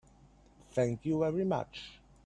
Thank you very much.